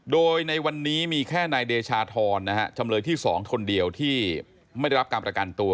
โดยในวันนี้มีแค่นายเดชาธรนะฮะจำเลยที่๒คนเดียวที่ไม่ได้รับการประกันตัว